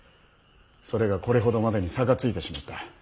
それがこれほどまでに差がついてしまった。